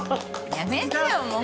やめてよもう。